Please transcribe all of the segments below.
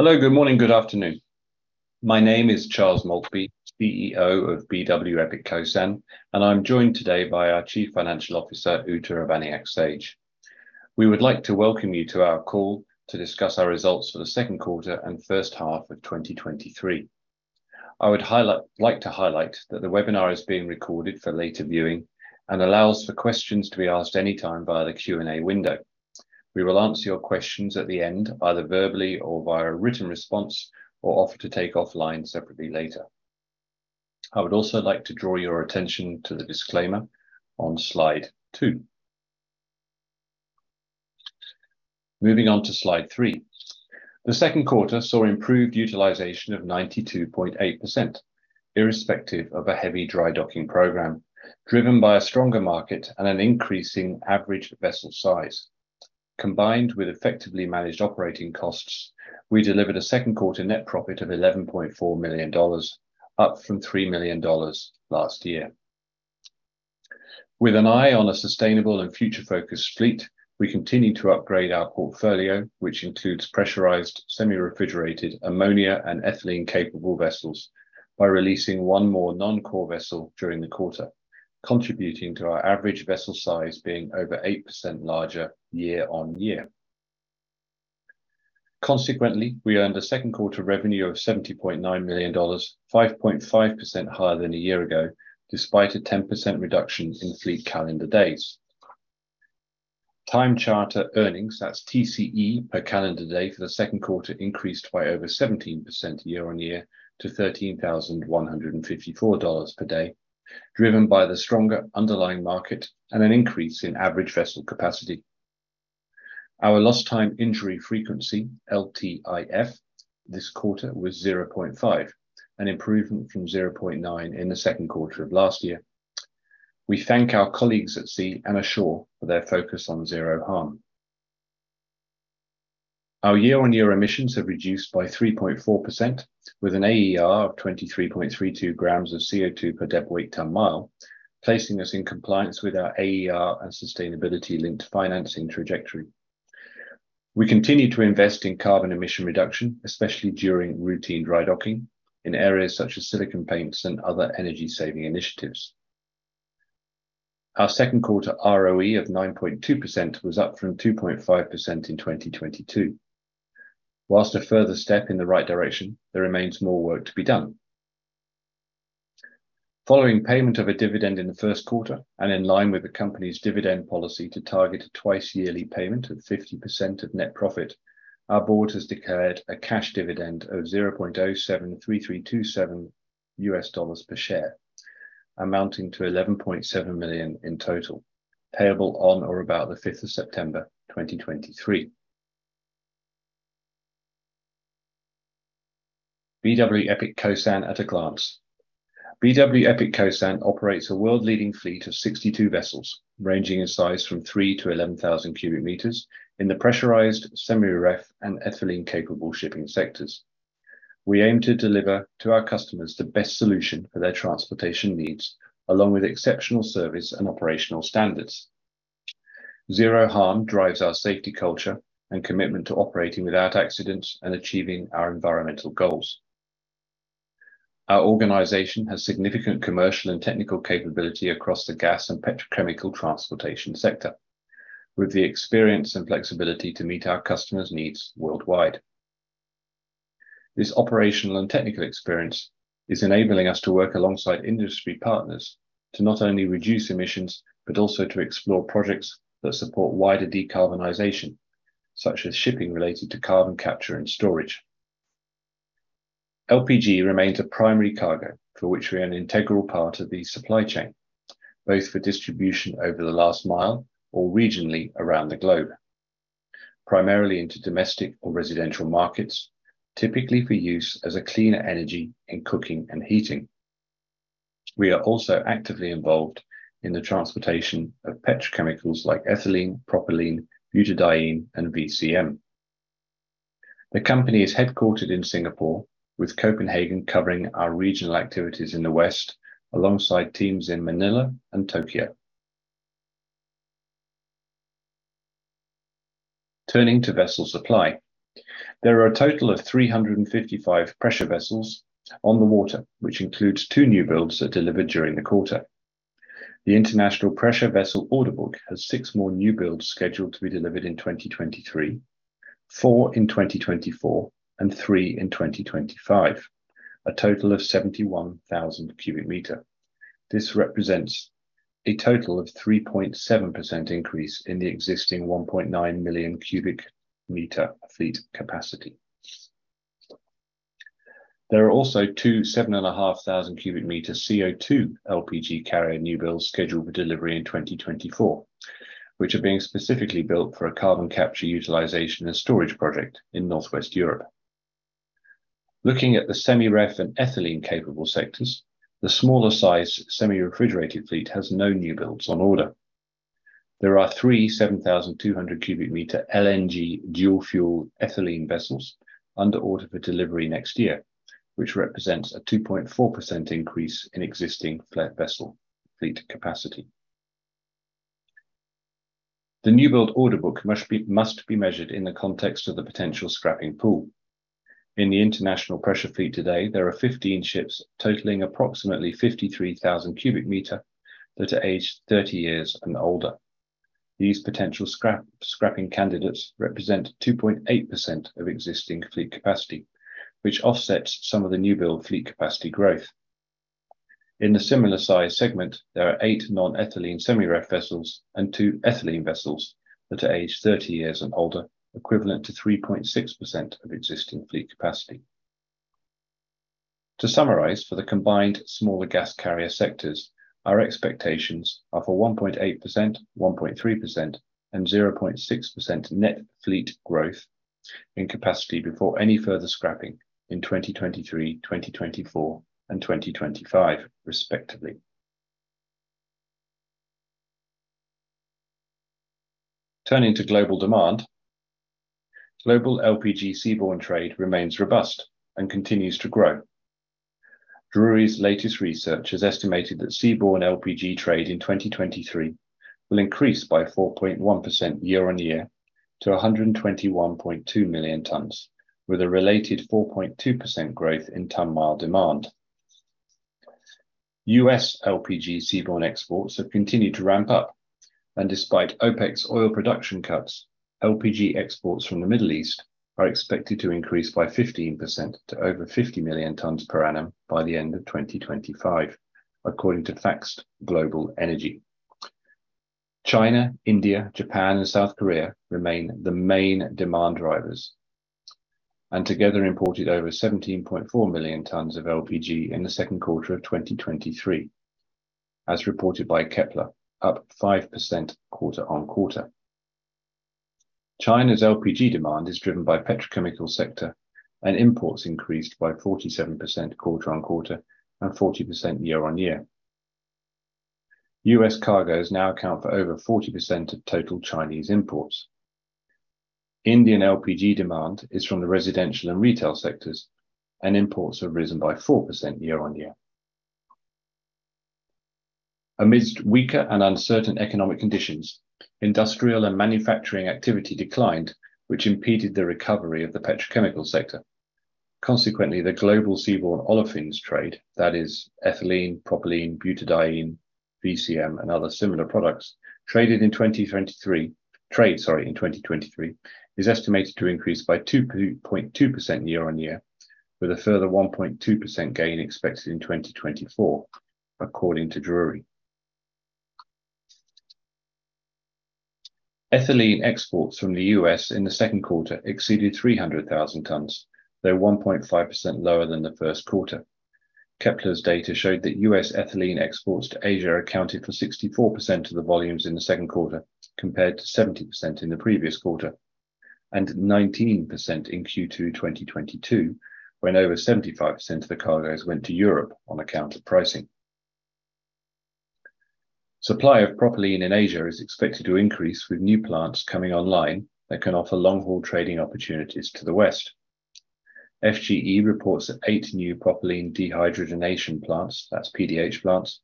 Hello, good morning, good afternoon. My name is Charles Maltby, CEO of BW Epic Kosan. I'm joined today by our Chief Financial Officer, Uta Urbaniak-Sage. We would like to welcome you to our call to discuss our results for the second quarter and first half of 2023. I would like to highlight that the webinar is being recorded for later viewing and allows for questions to be asked anytime via the Q&A window. We will answer your questions at the end, either verbally or via a written response, or offer to take offline separately later. I would also like to draw your attention to the disclaimer on slide 2. Moving on to slide 3. The second quarter saw improved utilization of 92.8%, irrespective of a heavy dry docking program, driven by a stronger market and an increasing average vessel size. Combined with effectively managed operating costs, we delivered a second quarter net profit of $11.4 million, up from $3 million last year. With an eye on a sustainable and future-focused fleet, we continue to upgrade our portfolio, which includes pressurized, semi-refrigerated, ammonia, and ethylene-capable vessels, by releasing one more non-core vessel during the quarter, contributing to our average vessel size being over 8% larger year-on-year. Consequently, we earned a second quarter revenue of $70.9 million, 5.5% higher than a year ago, despite a 10% reduction in fleet calendar days. Time charter earnings, that's TCE per calendar day for the second quarter, increased by over 17% year-on-year to $13,154 per day, driven by the stronger underlying market and an increase in average vessel capacity. Our lost time injury frequency, LTIF, this quarter was 0.5, an improvement from 0.9 in the second quarter of last year. We thank our colleagues at sea and ashore for their focus on zero harm. Our year-on-year emissions have reduced by 3.4%, with an AER of 23.32 grams of CO2 per deadweight ton-mile, placing us in compliance with our AER and sustainability-linked financing trajectory. We continue to invest in carbon emission reduction, especially during routine dry docking in areas such as silicone paints and other energy-saving initiatives. Our second quarter ROE of 9.2% was up from 2.5% in 2022. Whilst a further step in the right direction, there remains more work to be done. Following payment of a dividend in the first quarter, and in line with the company's dividend policy to target a twice-yearly payment of 50% of net profit, our board has declared a cash dividend of $0.073327 per share, amounting to $11.7 million in total, payable on or about the 5th of September 2023. BW Epic Kosan at a glance. BW Epic Kosan operates a world-leading fleet of 62 vessels, ranging in size from 3-11,000 cubic meters in the pressurized, semi-ref, and ethylene-capable shipping sectors. We aim to deliver to our customers the best solution for their transportation needs, along with exceptional service and operational standards. Zero harm drives our safety culture and commitment to operating without accidents and achieving our environmental goals. Our organization has significant commercial and technical capability across the gas and petrochemical transportation sector, with the experience and flexibility to meet our customers' needs worldwide. This operational and technical experience is enabling us to work alongside industry partners to not only reduce emissions, but also to explore projects that support wider decarbonization, such as shipping related to carbon capture and storage. LPG remains a primary cargo for which we are an integral part of the supply chain, both for distribution over the last mile or regionally around the globe, primarily into domestic or residential markets, typically for use as a cleaner energy in cooking and heating. We are also actively involved in the transportation of petrochemicals like ethylene, propylene, butadiene, and VCM. The company is headquartered in Singapore, with Copenhagen covering our regional activities in the West, alongside teams in Manila and Tokyo. Turning to vessel supply. There are a total of 355 pressure vessels on the water, which includes two new builds that delivered during the quarter. The International Pressure Vessel Order Book has six more new builds scheduled to be delivered in 2023, four in 2024, and three in 2025, a total of 71,000 cubic meter. This represents a total of 3.7% increase in the existing 1.9 million cubic meter fleet capacity. There are also two, 7,500 cubic meter CO2 LPG carrier new builds scheduled for delivery in 2024, which are being specifically built for a carbon capture, utilization, and storage project in Northwest Europe. Looking at the semi-ref and ethylene-capable sectors, the smaller size semi-refrigerated fleet has no new builds on order. There are 3 7,200 cubic meter LNG dual-fuel ethylene vessels under order for delivery next year, which represents a 2.4% increase in existing flat vessel fleet capacity. The newbuild order book must be measured in the context of the potential scrapping pool. In the international pressure fleet today, there are 15 ships totaling approximately 53,000 cubic meter that are aged 30 years and older. These potential scrapping candidates represent 2.8% of existing fleet capacity, which offsets some of the newbuild fleet capacity growth. In the similar size segment, there are 8 non-ethylene semi ref vessels and 2 ethylene vessels that are aged 30 years and older, equivalent to 3.6% of existing fleet capacity. To summarize, for the combined smaller gas carrier sectors, our expectations are for 1.8%, 1.3%, and 0.6% net fleet growth in capacity before any further scrapping in 2023, 2024, and 2025, respectively. Turning to global demand, global LPG seaborne trade remains robust and continues to grow. Drewry latest research has estimated that seaborne LPG trade in 2023 will increase by 4.1% year-on-year to 121.2 million tons, with a related 4.2% growth in ton-mile demand. US LPG seaborne exports have continued to ramp up, and despite OPEC's oil production cuts, LPG exports from the Middle East are expected to increase by 15% to over 50 million tons per annum by the end of 2025, according to Facts Global Energy. China, India, Japan, and South Korea remain the main demand drivers, together imported over 17.4 million tons of LPG in Q2 2023, as reported by Kpler, up 5% quarter-on-quarter. China's LPG demand is driven by petrochemical sector, and imports increased by 47% quarter-on-quarter and 40% year-on-year. US cargoes now account for over 40% of total Chinese imports. Indian LPG demand is from the residential and retail sectors, and imports have risen by 4% year-on-year. Amidst weaker and uncertain economic conditions, industrial and manufacturing activity declined, which impeded the recovery of the petrochemical sector. Consequently, the global seaborne olefins trade, that is ethylene, propylene, butadiene, VCM, and other similar products, trade, sorry, in 2023, is estimated to increase by 2.2% year-on-year, with a further 1.2% gain expected in 2024, according to Drewry. Ethylene exports from the US in the second quarter exceeded 300,000 tons, though 1.5% lower than the first quarter. Kpler's data showed that US ethylene exports to Asia accounted for 64% of the volumes in the second quarter, compared to 70% in the previous quarter, and 19% in Q2 2022, when over 75% of the cargoes went to Europe on account of pricing. Supply of propylene in Asia is expected to increase with new plants coming online that can offer long-haul trading opportunities to the West. FGE reports that eight new propylene dehydrogenation plants, that's PDH plants,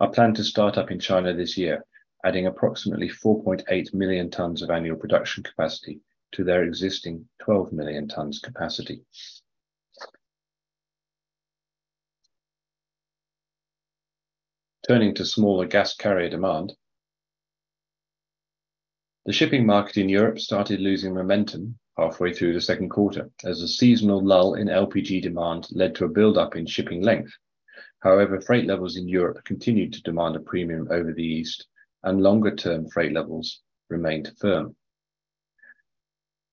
are planned to start up in China this year, adding approximately 4.8 million tons of annual production capacity to their existing 12 million tons capacity. Turning to smaller gas carrier demand, the shipping market in Europe started losing momentum halfway through the second quarter as a seasonal lull in LPG demand led to a buildup in shipping length. Freight levels in Europe continued to demand a premium over the East, and longer-term freight levels remained firm.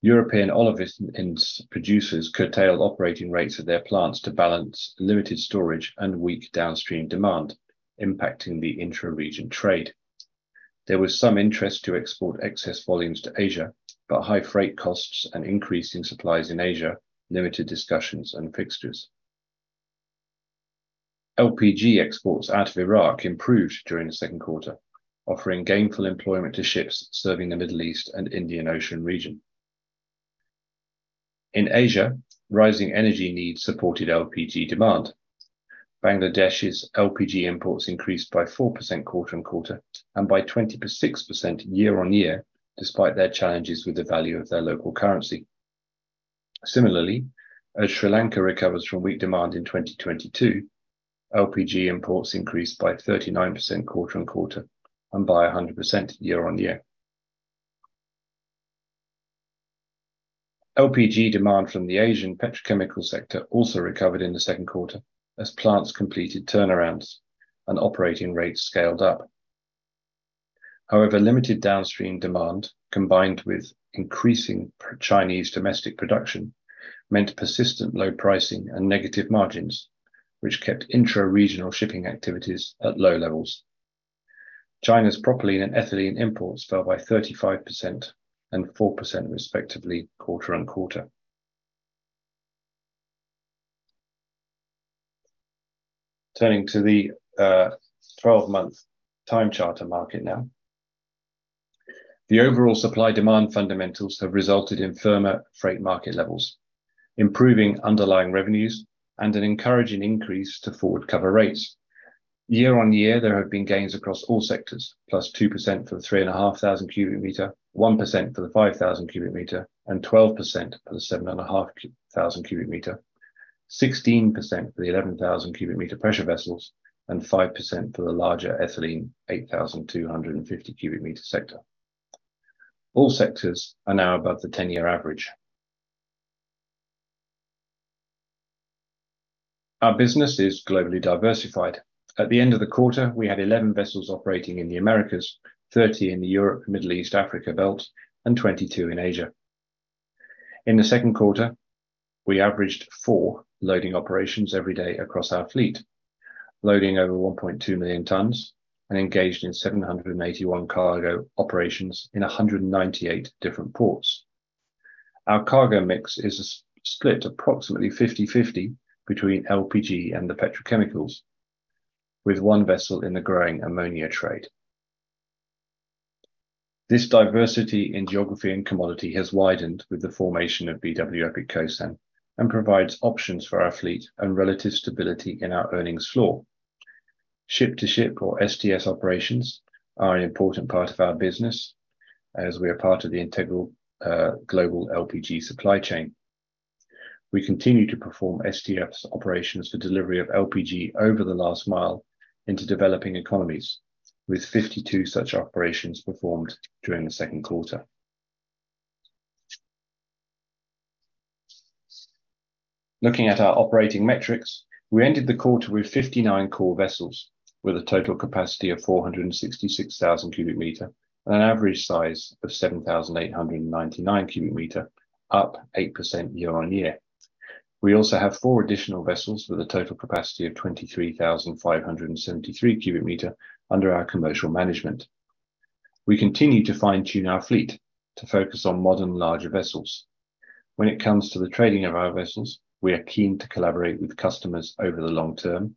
European olefins and producers curtailed operating rates of their plants to balance limited storage and weak downstream demand, impacting the intra-region trade. High freight costs and increasing supplies in Asia limited discussions and fixtures. LPG exports out of Iraq improved during the second quarter, offering gainful employment to ships serving the Middle East and Indian Ocean region. In Asia, rising energy needs supported LPG demand. Bangladesh's LPG imports increased by 4% quarter-on-quarter and by 26% year-on-year, despite their challenges with the value of their local currency. Similarly, as Sri Lanka recovers from weak demand in 2022, LPG imports increased by 39% quarter-on-quarter and by 100% year-on-year. LPG demand from the Asian petrochemical sector also recovered in the second quarter as plants completed turnarounds and operating rates scaled up. However, limited downstream demand, combined with increasing Chinese domestic production, meant persistent low pricing and negative margins, which kept intra-regional shipping activities at low levels. China's propylene and ethylene imports fell by 35% and 4%, respectively, quarter-on-quarter. Turning to the 12-month time charter market now. The overall supply-demand fundamentals have resulted in firmer freight market levels, improving underlying revenues, and an encouraging increase to forward cover rates. Year-on-year, there have been gains across all sectors, +2% for the 3,500 cubic meter, 1% for the 5,000 cubic meter, and 12% for the 7,500 cubic meter, 16% for the 11,000 cubic meter pressure vessels, and 5% for the larger ethylene 8,250 cubic meter sector. All sectors are now above the 10-year average. Our business is globally diversified. At the end of the quarter, we had 11 vessels operating in the Americas, 30 in the Europe, Middle East, Africa belt, and 22 in Asia. In the second quarter, we averaged 4 loading operations every day across our fleet, loading over 1.2 million tons and engaged in 781 cargo operations in 198 different ports. Our cargo mix is split approximately 50/50 between LPG and the petrochemicals, with 1 vessel in the growing ammonia trade. This diversity in geography and commodity has widened with the formation of BW Epic Kosan and provides options for our fleet and relative stability in our earnings floor. Ship-to-ship, or STS operations, are an important part of our business, as we are part of the integral global LPG supply chain. We continue to perform STS operations for delivery of LPG over the last mile into developing economies, with 52 such operations performed during the second quarter. Looking at our operating metrics, we ended the quarter with 59 core vessels, with a total capacity of 466,000 cubic meter and an average size of 7,899 cubic meter, up 8% year-over-year. We also have four additional vessels with a total capacity of 23,573 cubic meter under our commercial management. We continue to fine-tune our fleet to focus on modern, larger vessels. When it comes to the trading of our vessels, we are keen to collaborate with customers over the long term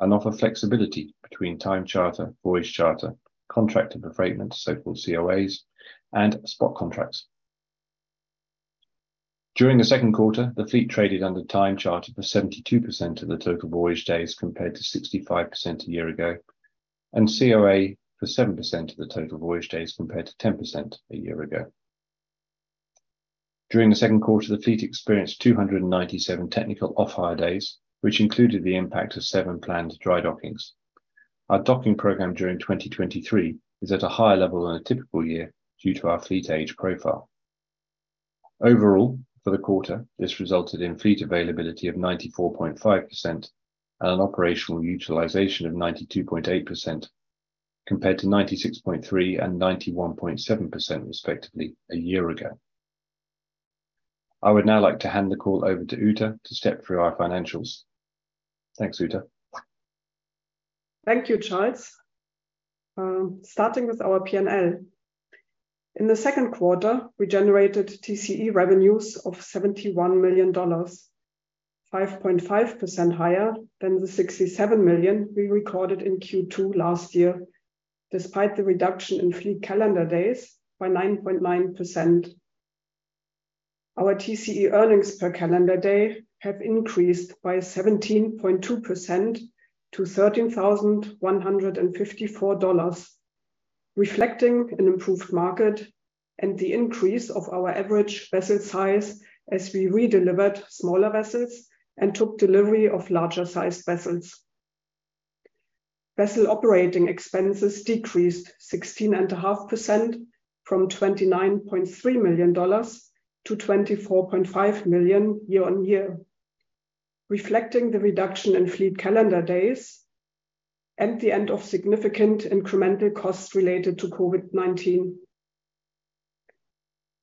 and offer flexibility between time charter, voyage charter, contracts of affreightment, so-called COAs, and spot contracts. During the second quarter, the fleet traded under time charter for 72% of the total voyage days, compared to 65% a year ago, and COA for 7% of the total voyage days, compared to 10% a year ago. During the second quarter, the fleet experienced 297 technical off-hire days, which included the impact of 7 planned dry dockings. Our docking program during 2023 is at a higher level than a typical year due to our fleet age profile. Overall, for the quarter, this resulted in fleet availability of 94.5% and an operational utilization of 92.8%, compared to 96.3 and 91.7%, respectively, a year ago. I would now like to hand the call over to Uta to step through our financials. Thanks, Uta. Thank you, Charles. Starting with our P&L. In the second quarter, we generated TCE revenues of $71 million, 5.5% higher than the $67 million we recorded in Q2 last year, despite the reduction in fleet calendar days by 9.9%. Our TCE earnings per calendar day have increased by 17.2% to $13,154, reflecting an improved market and the increase of our average vessel size as we redelivered smaller vessels and took delivery of larger-sized vessels. Vessel operating expenses decreased 16.5% from $29.3 million to $24.5 million year-on-year, reflecting the reduction in fleet calendar days and the end of significant incremental costs related to COVID-19.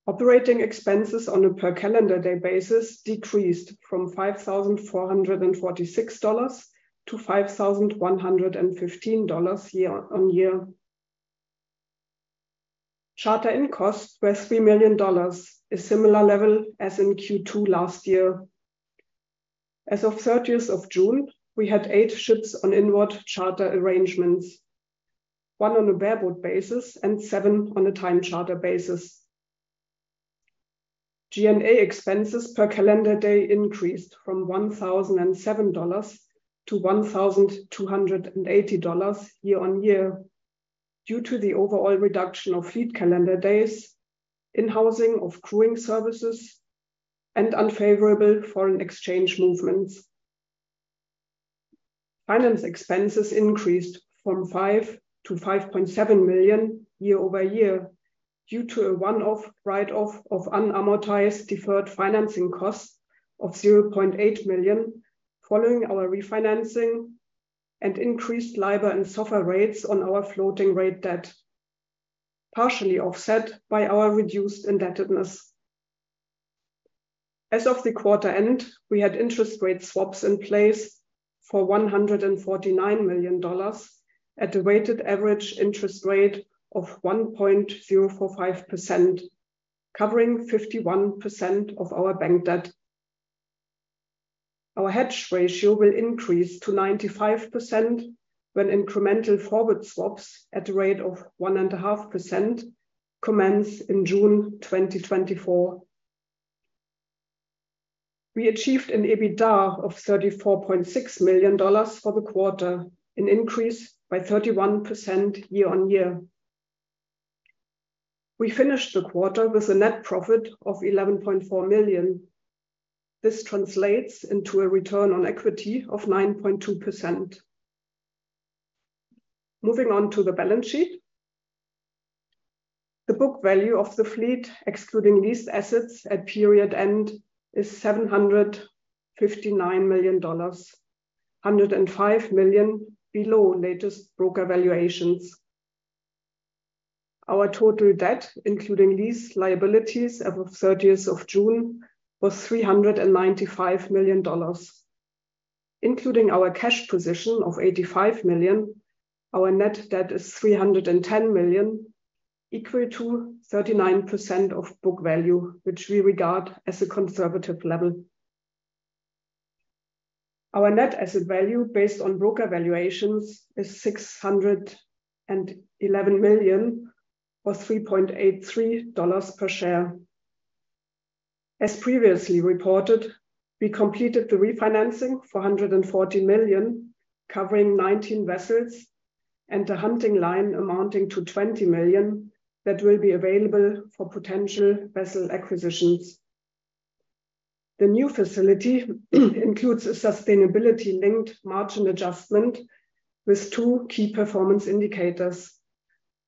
Operating expenses on a per calendar day basis decreased from $5,446 to $5,115 year-on-year. Charter in costs were $3 million, a similar level as in Q2 last year. As of 30th of June, we had eight ships on inward charter arrangements, one on a bareboat basis and seven on a time charter basis. G&A expenses per calendar day increased from $1,007 to $1,280 year-on-year due to the overall reduction of fleet calendar days, in-housing of crewing services, and unfavorable foreign exchange movements. Finance expenses increased from $5 million-$5.7 million year-over-year due to a one-off write-off of unamortized deferred financing costs of $0.8 million, following our refinancing and increased LIBOR and SOFR rates on our floating rate debt, partially offset by our reduced indebtedness. As of the quarter end, we had interest rate swaps in place for $149 million at a weighted average interest rate of 1.045%, covering 51% of our bank debt. Our hedge ratio will increase to 95% when incremental forward swaps at the rate of 1.5% commence in June 2024. We achieved an EBITDA of $34.6 million for the quarter, an increase by 31% year-on-year. We finished the quarter with a net profit of $11.4 million. This translates into a return on equity of 9.2%. Moving on to the balance sheet. The book value of the fleet, excluding leased assets at period end, is $759 million, $105 million below latest broker valuations. Our total debt, including lease liabilities at the 30th of June, was $395 million. Including our cash position of $85 million, our net debt is $310 million, equal to 39% of book value, which we regard as a conservative level. Our net asset value, based on broker valuations, is $611 million, or $3.83 per share. As previously reported, we completed the refinancing for $140 million, covering 19 vessels and the hunting line amounting to $20 million that will be available for potential vessel acquisitions. The new facility includes a sustainability-linked margin adjustment with 2 key performance indicators.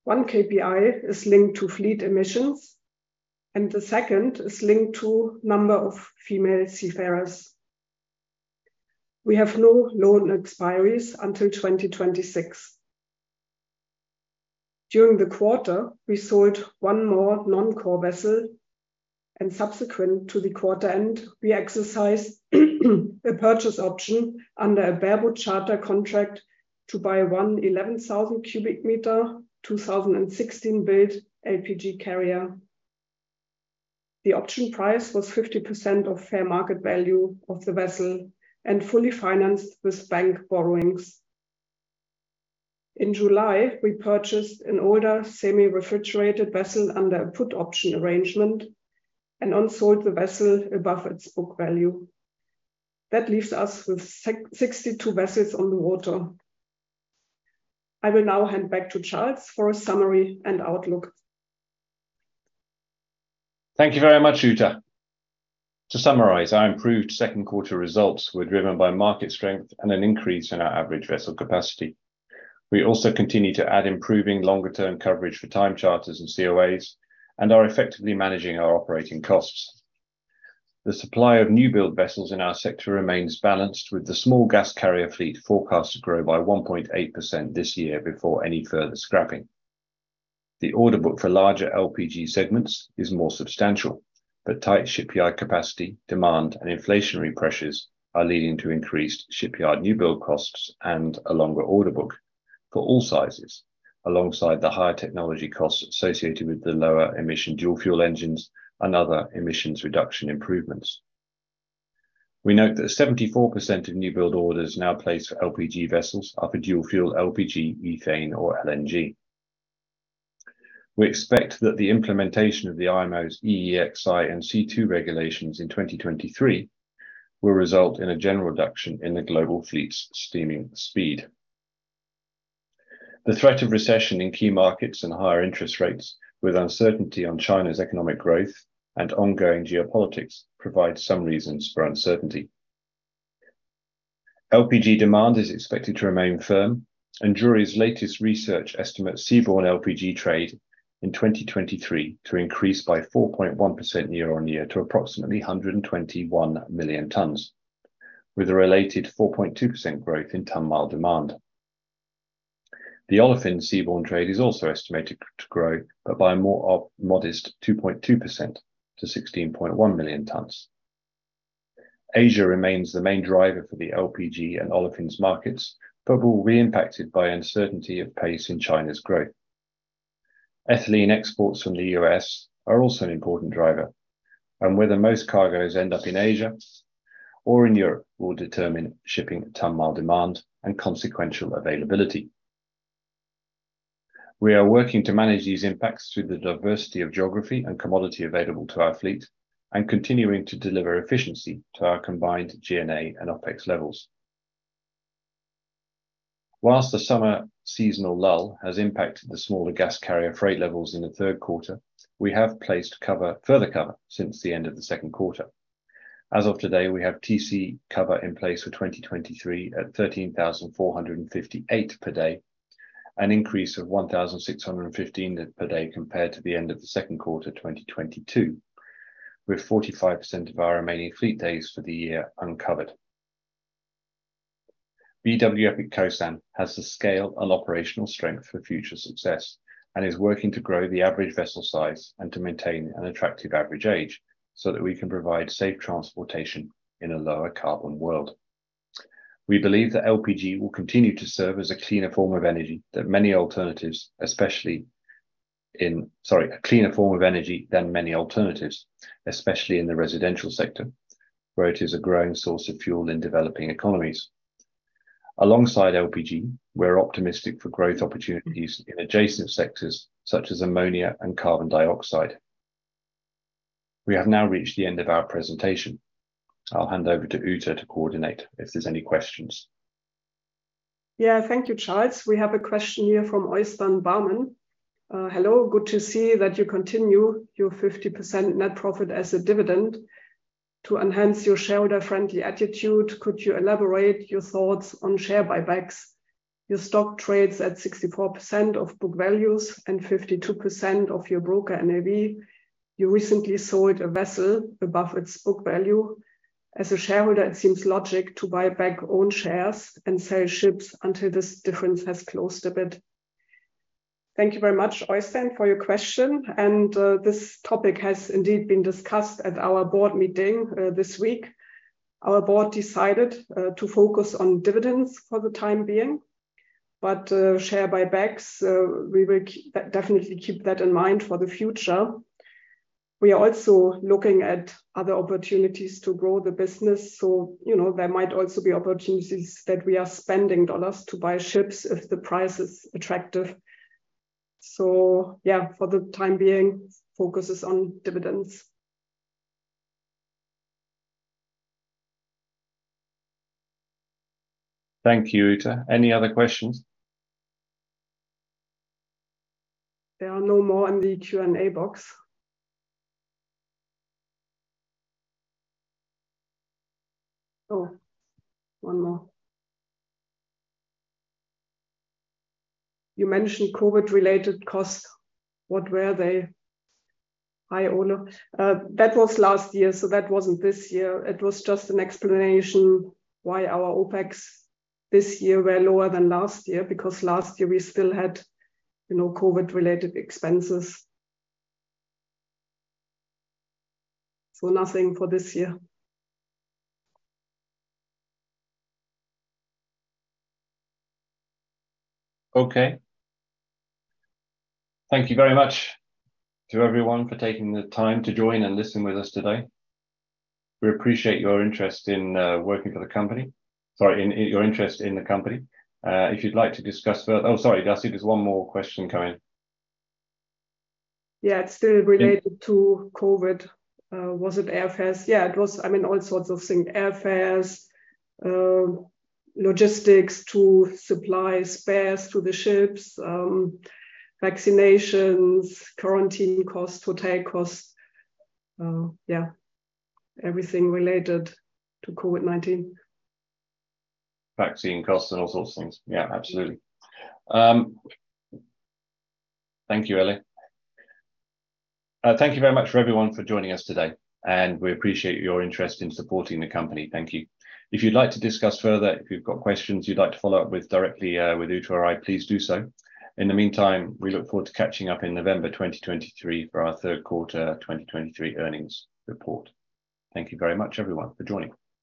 1 KPI is linked to fleet emissions, and the second is linked to number of female seafarers. We have no loan expiries until 2026. During the quarter, we sold 1 more non-core vessel. Subsequent to the quarter end, we exercised a purchase option under a bareboat charter contract to buy 1 11,000 cubic meter, 2016-built LPG carrier. The option price was 50% of fair market value of the vessel and fully financed with bank borrowings. In July, we purchased an older semi-refrigerated vessel under a put option arrangement. And sold the vessel above its book value. That leaves us with 62 vessels on the water. I will now hand back to Charles for a summary and outlook. Thank you very much, Uta. To summarize, our improved second quarter results were driven by market strength and an increase in our average vessel capacity. We also continue to add improving longer-term coverage for time charters and COAs, and are effectively managing our operating costs. The supply of newbuild vessels in our sector remains balanced, with the small gas carrier fleet forecast to grow by 1.8% this year before any further scrapping. The order book for larger LPG segments is more substantial, but tight shipyard capacity, demand, and inflationary pressures are leading to increased shipyard newbuild costs and a longer order book for all sizes, alongside the higher technology costs associated with the lower emission dual fuel engines and other emissions reduction improvements. We note that 74% of newbuild orders now placed for LPG vessels are for dual fuel LPG, ethane, or LNG. We expect that the implementation of the IMO's EEXI and CII regulations in 2023 will result in a general reduction in the global fleet's steaming speed. The threat of recession in key markets and higher interest rates, with uncertainty on China's economic growth and ongoing geopolitics, provide some reasons for uncertainty. LPG demand is expected to remain firm, and Drewry's latest research estimates seaborne LPG trade in 2023 to increase by 4.1% year-on-year to approximately 121 million tons, with a related 4.2% growth in ton-mile demand. The olefin seaborne trade is also estimated to grow, but by a more modest 2.2% to 16.1 million tons. Asia remains the main driver for the LPG and olefins markets, but will be impacted by uncertainty of pace in China's growth. Ethylene exports from the US are also an important driver, and whether most cargoes end up in Asia or in Europe will determine shipping ton-mile demand and consequential availability. We are working to manage these impacts through the diversity of geography and commodity available to our fleet and continuing to deliver efficiency to our combined GNA and OpEx levels. Whilst the summer seasonal lull has impacted the smaller gas carrier freight levels in the third quarter, we have placed cover, further cover since the end of the second quarter. As of today, we have TC cover in place for 2023 at $13,458 per day, an increase of $1,615 per day compared to the end of the second quarter 2022, with 45% of our remaining fleet days for the year uncovered. BW Epic Kosan has the scale and operational strength for future success, and is working to grow the average vessel size and to maintain an attractive average age so that we can provide safe transportation in a lower carbon world. We believe that LPG will continue to serve as a cleaner form of energy than many alternatives, sorry, a cleaner form of energy than many alternatives, especially in the residential sector, where it is a growing source of fuel in developing economies. Alongside LPG, we're optimistic for growth opportunities in adjacent sectors, such as ammonia and carbon dioxide. We have now reached the end of our presentation. I'll hand over to Uta to coordinate if there's any questions. Yeah, thank you, Charles. We have a question here from Øystein Bøe. "Hello, good to see that you continue your 50% net profit as a dividend. To enhance your shareholder-friendly attitude, could you elaborate your thoughts on share buybacks? Your stock trades at 64% of book values and 52% of your broker NAV. You recently sold a vessel above its book value. As a shareholder, it seems logic to buy back own shares and sell ships until this difference has closed a bit." Thank you very much, Øystein, for your question, and this topic has indeed been discussed at our board meeting this week. Our board decided to focus on dividends for the time being, but share buybacks, we will definitely keep that in mind for the future. We are also looking at other opportunities to grow the business. You know, there might also be opportunities that we are spending US dollars to buy ships if the price is attractive. Yeah, for the time being, focus is on dividends. Thank you, Uta. Any other questions? There are no more in the Q&A box. Oh, one more. "You mentioned COVID-related costs. What were they?" Hi, Ola. That was last year, so that wasn't this year. It was just an explanation why our OpEx this year were lower than last year, because last year we still had, you know, COVID-related expenses. Nothing for this year. Okay. Thank you very much to everyone for taking the time to join and listen with us today. We appreciate your interest in working for the company. Sorry, in your interest in the company. If you'd like to discuss further, Oh, sorry, Darcy, there's one more question come in. Yeah, it's still related to COVID. Was it airfares? Yeah, it was, I mean, all sorts of things. Airfares, logistics to supply spares to the ships, vaccinations, quarantine costs, hotel costs. Yeah, everything related to COVID-19. Vaccine costs and all sorts of things. Yeah, absolUtaly. Thank you, Ellie. Thank you very much for everyone for joining us today. We appreciate your interest in supporting the company. Thank you. If you'd like to discuss further, if you've got questions you'd like to follow up with directly, with Uta or I, please do so. In the meantime, we look forward to catching up in November 2023 for our third quarter 2023 earnings report. Thank you very much, everyone, for joining.